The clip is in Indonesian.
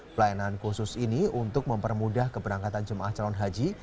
pelayanan khusus ini untuk mempermudah keberangkatan jemaah calon haji